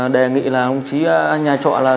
đề nghị là ông chí nhà trọ là